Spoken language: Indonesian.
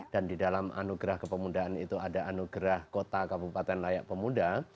dan di dalam anugerah kepemudaan itu ada anugerah kota kabupaten layak pemuda